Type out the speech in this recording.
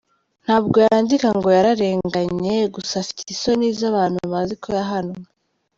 Ntabwo yandika ngo yararenganye, gusa afite isoni z’abantu bazi ko yahanwe.